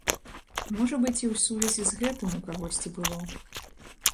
Можа быць, і ў сувязі з гэтым у кагосьці было.